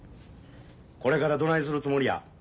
これからどないするつもりや？